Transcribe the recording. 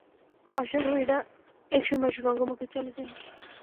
অশ্বারোহীরা এক সময় সুড়ঙ্গ মুখে চলে যায়।